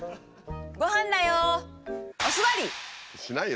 ごはんだよ！